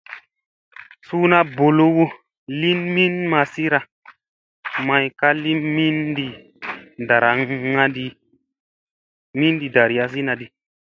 Suuna boloowo lin min masira, may ka li mindi ɗarayasinadi.